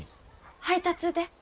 配達で。